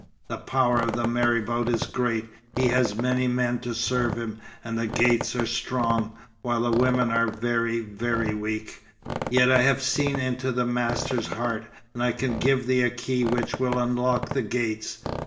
"The power of the marabout is great. He has many men to serve him, and the gates are strong, while women are very, very weak. Yet I have seen into the master's heart, and I can give thee a key which will unlock the gates.